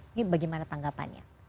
ini bagaimana tanggapannya